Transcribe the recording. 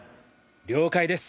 了解です！